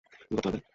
তুমি করতে পারবে।